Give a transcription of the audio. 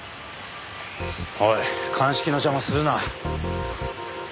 おい鑑識の邪魔するな。